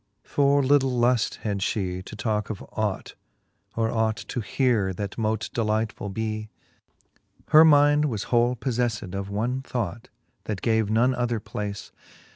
For little luft fhe had to talke of ought, Or ought to heare, that mote delightfull bee ; Her mind was whole poflefled of one thought, That gave none other place.